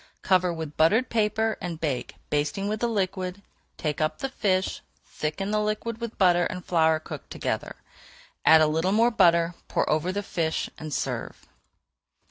Cover with buttered paper and bake, basting with the liquid. Take up the fish, thicken [Page 418] the liquid with butter and flour cooked together, add a little more butter, pour over the fish, and serve.